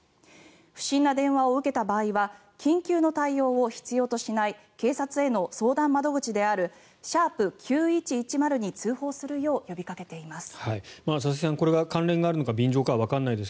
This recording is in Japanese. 不審な電話を受けた場合は緊急な対応を必要としない警察への相談窓口である「＃９１１０」に通報するよう呼びかけています。